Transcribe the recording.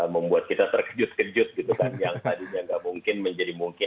saya tidak memahami dokter ini